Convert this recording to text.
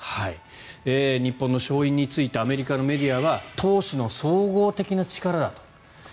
日本の勝因についてアメリカのメディアは日本の勝利は投手の総合的な力だと。